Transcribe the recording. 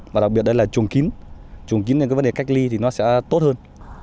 và đặc biệt đây là trùng kín trùng kín là cái vấn đề cách ly thì nó sẽ tốt hơn